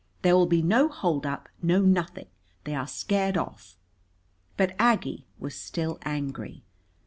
There will be no holdup, no nothing. They are scared off." But Aggie was still angry.